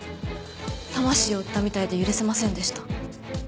魂を売ったみたいで許せませんでした。